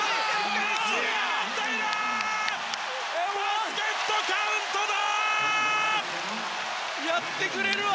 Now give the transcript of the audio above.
バスケットカウントだ！